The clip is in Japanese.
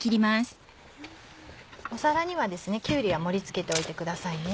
皿にはきゅうりを盛り付けておいてください。